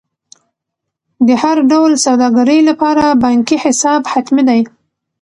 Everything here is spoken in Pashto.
د هر ډول سوداګرۍ لپاره بانکي حساب حتمي دی.